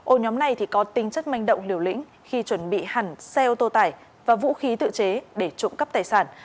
ô nhóm này có tính chất manh động liều lĩnh khi chuẩn bị hẳn xe ô tô tải và vũ khí tự chế để trộm cắp tài sản